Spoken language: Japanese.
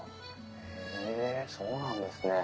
へえそうなんですね。